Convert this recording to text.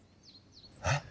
えっ？